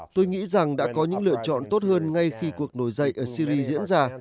tôi nghĩ rằng đã có những lựa chọn tốt hơn ngay khi cuộc nổi dậy ở syri diễn ra